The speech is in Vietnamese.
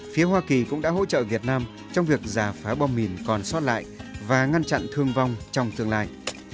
phía hoa kỳ cũng đã hỗ trợ việt nam trong việc giả phá bom mìn còn sót lại và ngăn chặn thương vong trong tương lai